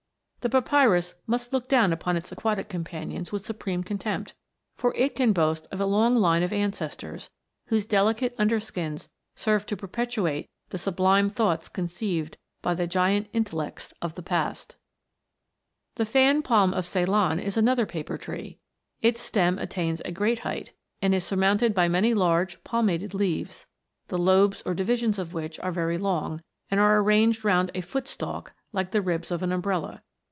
The papyrus must look down upon its aquatic companions with supreme contempt, for it can boast of a long line of ancestors, whose delicate under skins served to perpetuate the sublime thoughts conceived by the giant intellects of the past. The fan palm of Ceylon is another paper tree. Its stem attains a great height, and is surmounted by many large palmated leaves, the lobes or divisions of which are very long, and are arranged round a foot stalk, like the ribs of an umbrella.